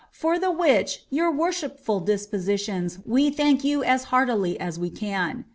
For tlie which your wor shipful dispositions we thank you as heartily as we can.